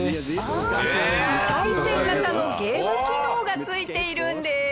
対戦型のゲーム機能が付いているんです。